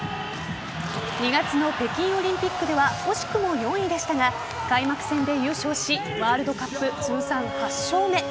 ２月の北京オリンピックでは惜しくも４位でしたが開幕戦で優勝しワールドカップ通算８勝目。